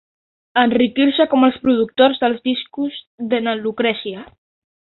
Enriquint-se com els productors dels discos de na Lucrècia.